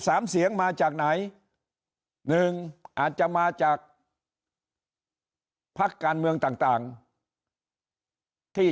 สามเสียงมาจากไหนหนึ่งอาจจะมาจากพักการเมืองต่างต่างที่